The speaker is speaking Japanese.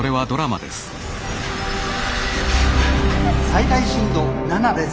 「最大震度７です。